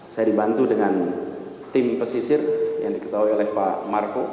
saya dibantu dengan tim pesisir yang diketahui oleh pak marco